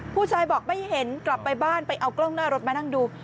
ผู้ชายบอกไม่เห็นกลับไปบ้านไปเอากล้องหน้ารถมานั่งดู